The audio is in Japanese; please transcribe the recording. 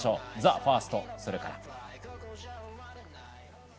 「ＴＨＥＦＩＲＳＴそれから」。